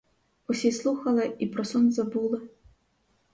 Усі слухали і про сон забули.